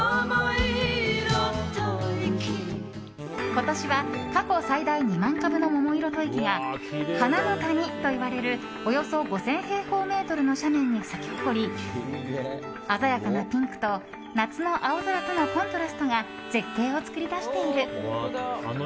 今年は過去最大２万株の桃色吐息が花の谷といわれるおよそ５０００平方メートルの斜面に咲き誇り鮮やかなピンクと夏の青空とのコントラストが絶景を作り出している。